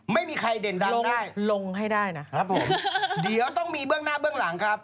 ไม่มีใครเด่นดังได้ลงให้ได้นะครับผมเดี๋ยวต้องมีเบื้องหน้าเบื้องหลังครับ